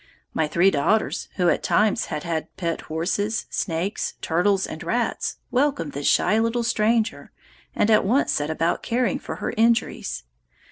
My three daughters, who at times had had pet horses, snakes, turtles, and rats, welcomed this shy little stranger and at once set about caring for her injuries.